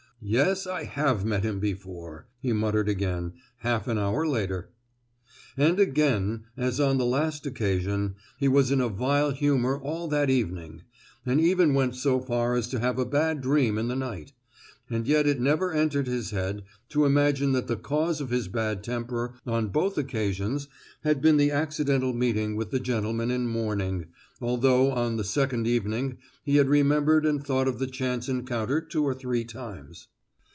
"Yes, I have met him before!" he muttered again, half an hour later. And again, as on the last occasion, he was in a vile humour all that evening, and even went so far as to have a bad dream in the night; and yet it never entered his head to imagine that the cause of his bad temper on both occasions had been the accidental meeting with the gentleman in mourning, although on the second evening he had remembered and thought of the chance encounter two or three times.